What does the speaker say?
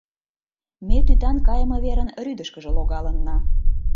ме тӱтан кайыме верын рӱдышкыжӧ логалынна.